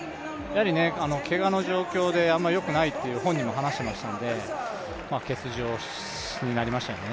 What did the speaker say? けがの状況があまりよくないと本人も話していましたので欠場になりましたよね。